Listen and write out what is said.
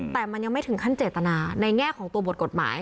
แต่มันยังไม่ถึงขั้นเจตนาในแง่ของตัวบทกฎหมาย